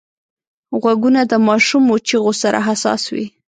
غوږونه د ماشومو چیغو سره حساس وي